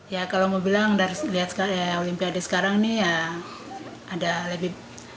ya kalau mau bilang dari lihat olimpiade sekarang nih ya ada lebih